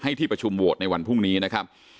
ที่ประชุมโหวตในวันพรุ่งนี้นะครับ